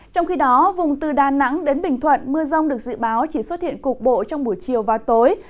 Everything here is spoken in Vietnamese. trong khi đó vùng từ đà nẵng đến bình thuận mưa rông được dự báo chỉ xuất hiện cục bộ trong buổi chiều và tối